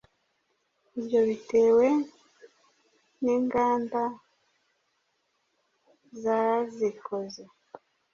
ibyo bitewe n’inganda zazikoze,